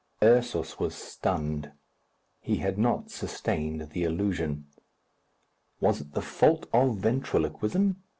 Ursus was stunned. He had not sustained the illusion. Was it the fault of ventriloquism?